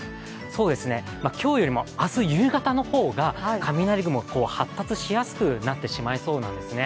そうですね、今日よりも明日夕方の方が雷雲が発達しやすくなってしまいそうなんですね。